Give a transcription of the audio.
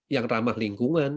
yang ramah lingkungan